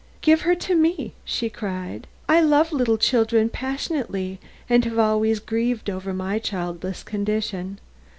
"Give her to me," she cried. "I love little children passionately and have always grieved over my childless condition.